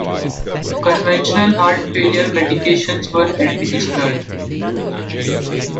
Conventional heart failure medications were administered.